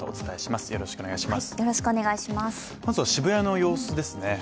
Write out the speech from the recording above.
まずは渋谷の様子ですね。